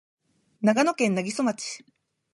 長野県南木曽町